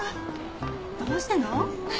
どうしたの？